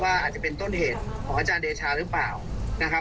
อาจจะเป็นต้นเหตุของอาจารย์เดชาหรือเปล่านะครับ